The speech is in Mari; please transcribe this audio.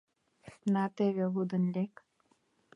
На теве, лудын лек.